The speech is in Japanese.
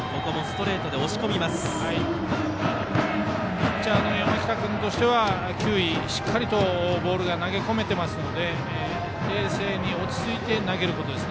ピッチャーの山北君としてはしっかりとボールが投げ込めてますので冷静に落ち着いて投げることです。